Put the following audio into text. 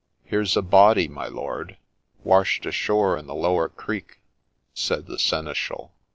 ' There 's a body, my lord, washed ashore in the lower creek,' said the seneschal.